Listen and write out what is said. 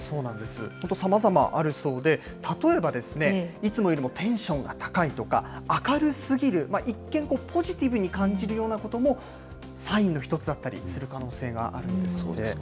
本当、さまざまあるそうで、例えばですね、いつもよりもテンションが高いとか、明るすぎる、一見ポジティブに感じるようなことも、サインの一つだったりする可能性そうですか。